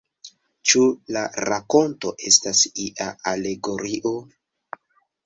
Ĉu la rakonto estas ia alegorio?